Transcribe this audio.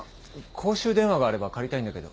公衆電話があれば借りたいんだけど。